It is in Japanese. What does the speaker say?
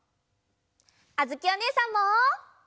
あづきおねえさんも！